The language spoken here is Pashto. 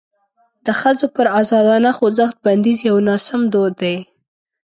د ښځو پر ازادانه خوځښت بندیز یو ناسم دود دی.